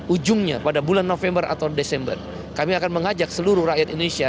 ujungnya pada bulan november atau desember kami akan mengajak seluruh rakyat indonesia